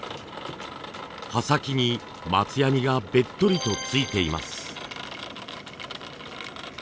刃先に松ヤニがべっとりとついています。